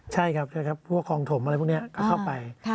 ใช่ครับพวกคลองถมอะไรพวกนี้ก็เข้าไป